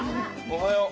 おはよう。